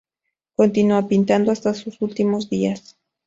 Continúa pintando hasta sus últimos días.